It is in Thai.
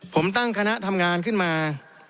ผมตั้งคณะทำงานขึ้นมา